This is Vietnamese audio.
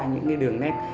những cái đường nét